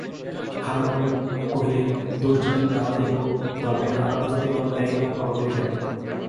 হারানবাবু কহিলেন, দোষ যদি না দেবে তবে আমার প্রতি অন্যায়ই বা করবে কেন?